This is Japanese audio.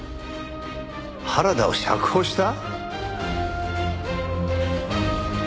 原田を釈放した？